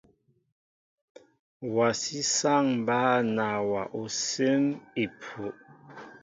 Wasi saŋ mba nawa osim epuh.